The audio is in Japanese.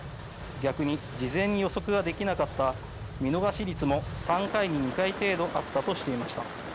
逆に事前に予測ができなかった見逃し率も３回に２回程度あったとしていました。